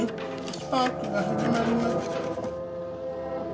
スパークが始まります。